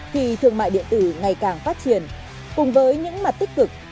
thì thương mại điện tử ngày càng phát triển cùng với những mặt tích cực